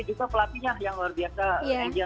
juga pelatihnya yang luar biasa danger